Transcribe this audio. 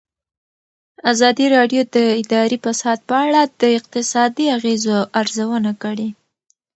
ازادي راډیو د اداري فساد په اړه د اقتصادي اغېزو ارزونه کړې.